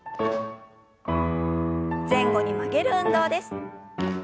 前後に曲げる運動です。